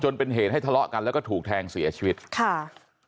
เป็นเหตุให้ทะเลาะกันแล้วก็ถูกแทงเสียชีวิตค่ะ